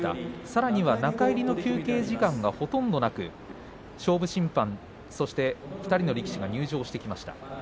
さらには中入りの休憩時間はほとんどなく、勝負審判そして２人の力士が入場してきました。